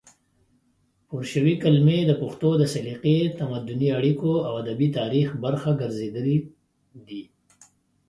پورشوي کلمې د پښتو د سلیقې، تمدني اړیکو او ادبي تاریخ برخه ګرځېدلې دي،